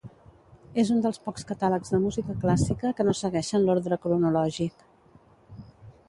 És un dels pocs catàlegs de música clàssica que no segueixen l'ordre cronològic.